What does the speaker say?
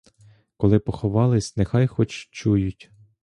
Коли поховались, нехай хоч чують.